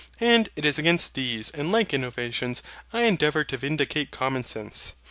And it is against these and the like innovations I endeavour to vindicate Common Sense.